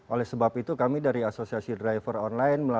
oleh sebab itu kami dari asosiasi driver online